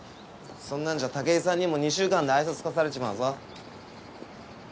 そんなんじゃ武居さんにも２週間で愛想尽かされちまうぞ。